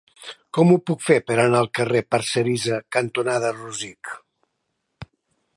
Com ho puc fer per anar al carrer Parcerisa cantonada Rosic?